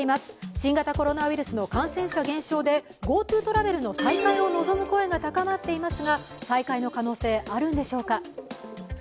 新型コロナウイルスの感染者減少でＧｏＴｏトラベルの再開を望む声が上がっていますが再開の可能性あるんでしょうか。